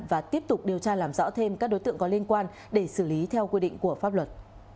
và tiếp tục điều tra làm rõ thêm các đối tượng có liên quan để xử lý theo quy định của pháp luật